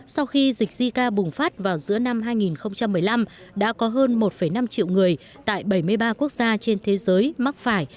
sau khi dịch zika bùng phát vào giữa năm hai nghìn một mươi năm đã có hơn một năm triệu người tại bảy mươi ba quốc gia trên thế giới mắc phải